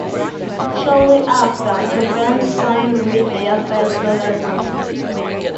Shortly after, the band signed with their first label.